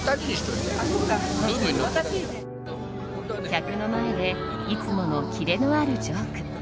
客の前でいつものキレのあるジョーク。